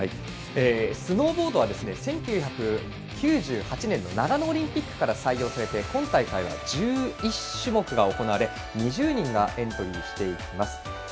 スノーボードは１９９８年の長野オリンピックから採用されて、今大会は１１種目が行われ２０人がエントリーしています。